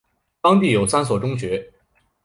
当地有三所中学。